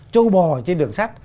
châu bò trên đường sắt